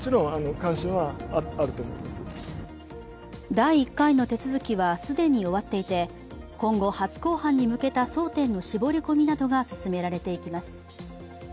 第１回の手続きは、既に終わっていて今後、初公判に向けた争点の絞り込みなどが進められていきます。